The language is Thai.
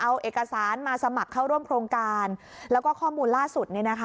เอาเอกสารมาสมัครเข้าร่วมโครงการแล้วก็ข้อมูลล่าสุดเนี่ยนะคะ